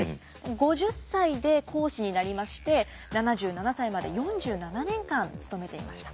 ５０歳で講師になりまして７７歳まで４７年間勤めていました。